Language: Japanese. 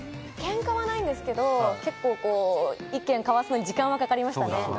ケンカはないんですけど、意見を交わすのに時間がかかりました。